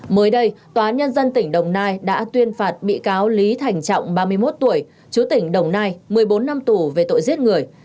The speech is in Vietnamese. mới đây tòa nhân dân tỉnh đồng nai đã tuyên phạt bị cáo lý thành trọng ba mươi một tuổi chú tỉnh đồng nai một mươi bốn năm tù về tội giết người